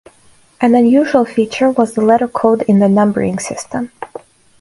An unusual feature was the letter code in the numbering system.